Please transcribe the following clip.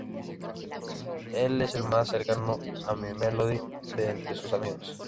Él es el más cercano a My Melody de entre sus amigos.